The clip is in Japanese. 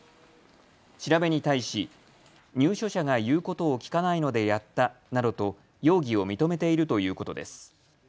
調べに対し入所者が言うことを聞かないのでやったなどと容疑を認めているということです。